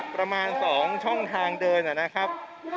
ประมาณ๒ช่องทางเดินนะครับ